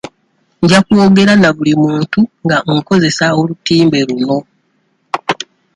Nja kwogera na buli muntu nga nkozesa olutimbe luno.